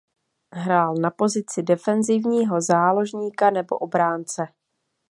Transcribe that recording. Hrál na pozici defenzivního záložníka nebo obránce.